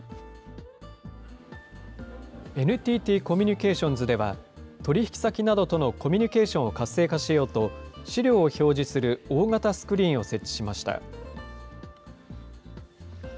ＮＴＴコミュニケーションズでは、取り引き先などとのコミュニケーションを活性化しようと、資料を表示する大型スクリーンを設置しました。